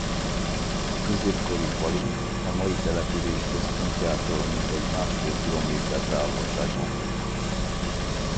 A középkori falu a mai település központjától mintegy másfél kilométer távolságban feküdt.